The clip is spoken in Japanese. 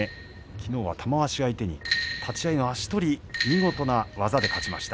きのうは玉鷲を相手に立ち合いで足取り、見事な技で勝ちました。